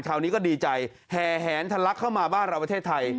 คราวนี้ก็ดีใจแห่แหนทะลักเข้ามาบ้านเราประเทศไทย